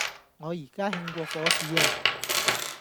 我而家興過火屎呀